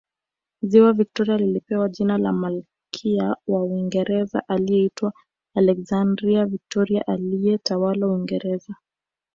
Ziwa Victoria lilipewa jina la Malkia wa Uingereza aliyeitwa Alexandrina Victoria aliyetawala Uingereza